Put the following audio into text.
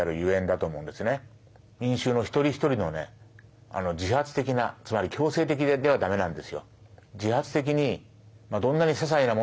民衆のひとりひとりのね自発的なつまり強制的では駄目なんですよ。